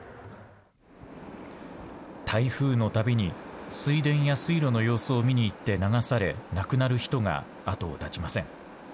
台風のたびに水田や水路の様子を見に行って流され亡くなる人が後を絶ちません。